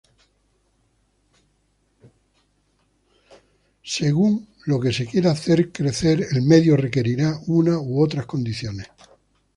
Según lo que se quiera hacer crecer, el medio requerirá unas u otras condiciones.